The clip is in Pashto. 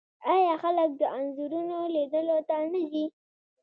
آیا خلک د انځورونو لیدلو ته نه ځي؟